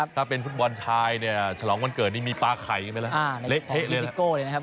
ถ้าเป็นฟุตบอลชายเนี่ยฉลองวันเกิดนี่มีปลาไข่กันไปแล้วเละเทะเลยซิโก้เลยนะครับ